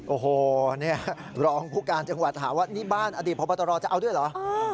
โอ้โหเนี่ยรองผู้การจังหวัดถามว่านี่บ้านอดีตพบตรจะเอาด้วยเหรอ